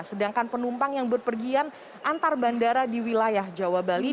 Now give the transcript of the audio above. sedangkan penumpang yang berpergian antar bandara di wilayah jawa bali